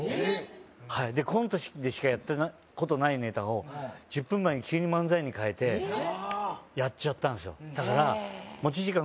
はいでコントでしかやったことないネタを１０分前に急に漫才に変えてやっちゃったんですよだからへえ持ち時間